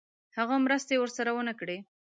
هغه مرستې ورسره ونه کړې.